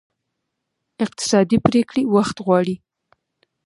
اقتصادي پرېکړې وخت غواړي.